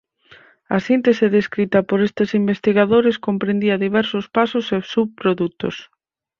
A síntese descrita por estes investigadores comprendía diversos pasos e subprodutos.